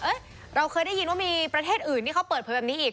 เราเคยได้ยินว่ามีประเทศอื่นที่เขาเปิดเผยแบบนี้อีก